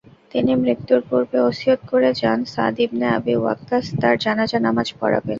তিনি মৃত্যুর পূর্বে অসিয়ত করে যান, সাদ ইবনে আবি ওয়াক্কাস তার জানাযার নামায পড়াবেন।